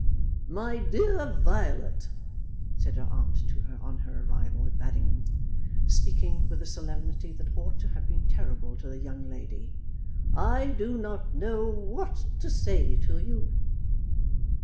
"My dear Violet," said her aunt to her on her arrival at Baddingham, speaking with a solemnity that ought to have been terrible to the young lady, "I do not know what to say to you."